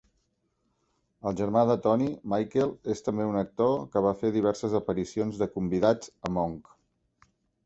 El germà de Tony, Michael, és també un actor que va fer diverses aparicions de convidats a "Monk".